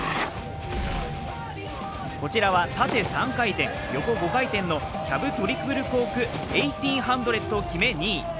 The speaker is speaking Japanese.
こちらは縦３回転、横５回転のキャブトリプルコーク１８００を決め２位。